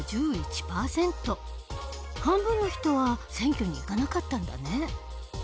半分の人は選挙に行かなかったんだね。